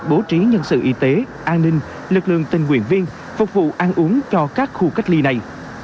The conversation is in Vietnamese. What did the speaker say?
bố trí nhân sự y tế an ninh lực lượng tình nguyện viên phục vụ ăn uống cho các khu cách ly này